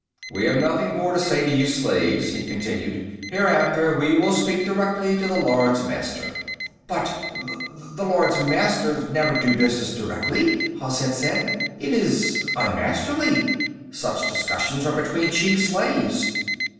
"We have nothing more to say to you slaves," he continued. "Hereafter, we will speak directly to the Lords Master." "But.... The Lords Master never do business directly," Hozhet said. "It is un Masterly. Such discussions are between chief slaves."